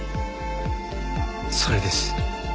それです。